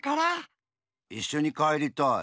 いっしょにかえりたい。